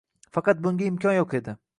Faqat bunga imkon yo'q edi.